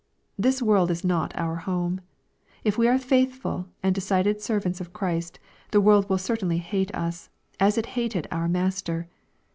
This world is not our home. If we are faithful and decided servants of Christ, the world will certainly hate us, as it hated our Master.